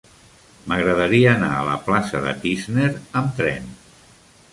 M'agradaria anar a la plaça de Tísner amb tren.